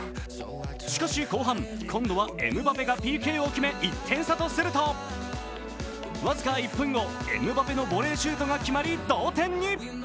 しかし後半、こんどはエムバペがＰＫを決め１点差とすると僅か１分後、エムバペのボレーシュートが決まり同点に。